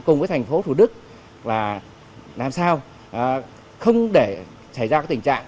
cùng với thành phố thủ đức là làm sao không để xảy ra tình trạng